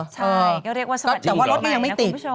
ชายเรียกว่าสบายดูกินใหม่นะคุณผู้ชม